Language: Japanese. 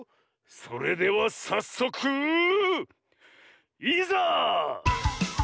それではさっそくいざ！